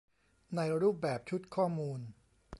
ในรูปแบบชุดข้อมูล